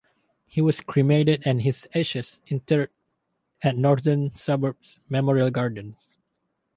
He was cremated and his ashes interred at Northern Suburbs Memorial Gardens.